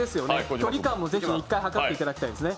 距離感もぜひ１回はかっていただきたいですね。